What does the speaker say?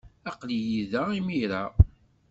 Aql-iyi da imir-a.